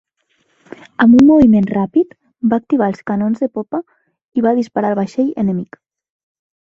Amb un moviment ràpid, va activar els canons de popa i va disparar el vaixell enemic.